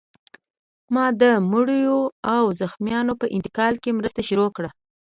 ما د مړیو او زخمیانو په انتقال کې مرسته شروع کړه